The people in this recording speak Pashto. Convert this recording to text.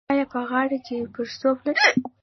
ایا په غاړه کې پړسوب لرئ؟